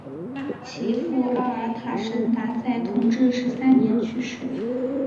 其父阿尔塔什达在同治十三年去世。